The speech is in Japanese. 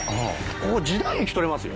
ここ時代劇撮れますよ